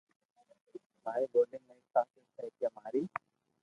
ماري ٻولي ۾ ايڪ خاصيت ھي ڪي ماري